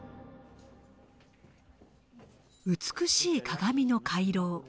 美しい鏡の回廊。